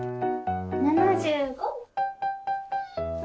７５。